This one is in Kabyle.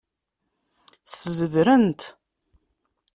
Szedren-t.